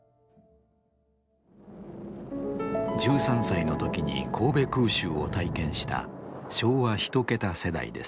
１３歳の時に神戸空襲を体験した昭和一桁世代です。